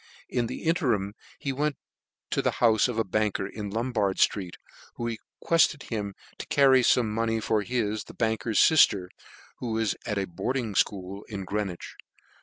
In the interim he went to the houfe of a banker in Lombard ftreet, who requefted him to carry fome money to his (the banker's filter, who was at a boarding fchool at Greenwich.